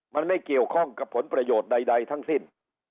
มันไม่เกี่ยวข้องกับผลประโยชน์ใดทั้งสิ้น